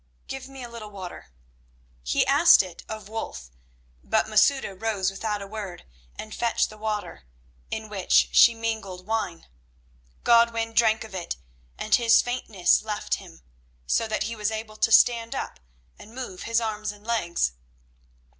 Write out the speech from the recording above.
Give me a little water." He asked it of Wulf, but Masouda rose without a word and fetched the water, in which she mingled wine. Godwin drank of it and his faintness left him, so that he was able to stand up and move his arms and legs.